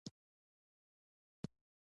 مریان به یې نیول او پر اروپایانو پلورل.